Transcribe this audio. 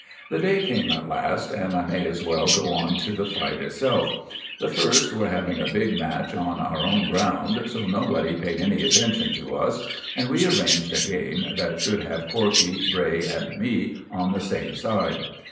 The day came at last, and I may as well go on to the fight itself. The First were having a big match on our own ground, so nobody paid any attention to us, and we arranged a game that should have Corkey, Bray, and me on the same side.